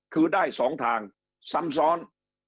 คือได้๒ทางซ้ำซ้อน